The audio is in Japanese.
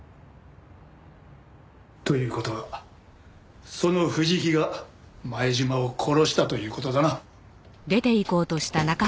という事はその藤木が前島を殺したという事だな。